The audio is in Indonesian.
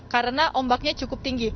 karena ombaknya cukup tinggi